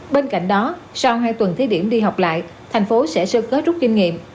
bên cạnh đó sau hai tuần thi điểm đi học lại tp hcm sẽ sơ kết rút kinh nghiệm